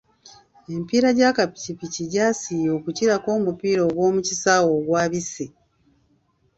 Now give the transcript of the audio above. Emipiira gy’akapikipiki gy’asiiya okukirako omupiira gw’omu kisaawe ogwabise.